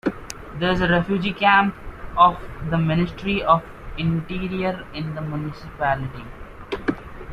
There is a refugee camp of the Ministry of Interior in the municipality.